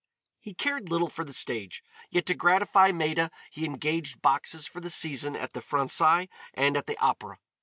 He cared little for the stage, yet to gratify Maida he engaged boxes for the season at the Français and at the Opéra.